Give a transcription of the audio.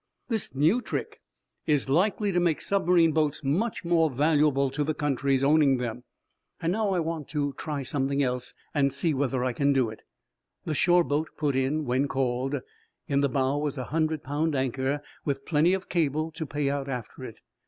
This new trick is likely to make submarine boats much more valuable to the countries owning them. Now, I want to try something else, and see whether I can do it." The shore boat put in when called. In the bow was a hundred pound anchor, with plenty of cable to pay out after it.